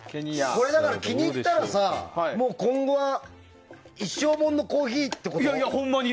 これ、気に入ったら今後は一生モノのコーヒーってこと？